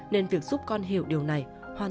nên việc giúp con hiểu điều này